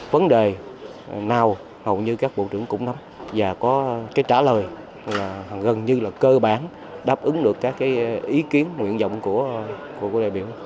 vấn đề nào hầu như các bộ trưởng cũng nắm và có cái trả lời gần như là cơ bản đáp ứng được các ý kiến nguyện vọng của đại biểu